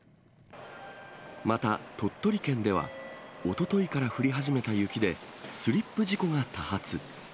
また、鳥取県ではおとといから降り始めた雪で、スリップ事故が多発。